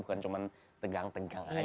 bukan cuma tegang tegang aja